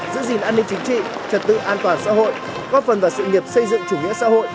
giữ gìn an ninh chính trị trật tự an toàn xã hội góp phần vào sự nghiệp xây dựng chủ nghĩa xã hội